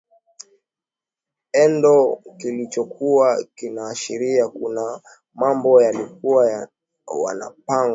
endo kilichokuwa kinaashiria kuna mambo yalikuwa wanapangwa